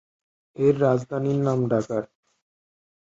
এর রাজধানীর নাম ডাকার।